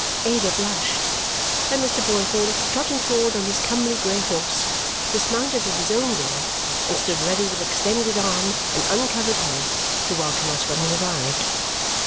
Ada blushed, and Mr. Boythorn, trotting forward on his comely grey horse, dismounted at his own door and stood ready with extended arm and uncovered head to welcome us when we arrived.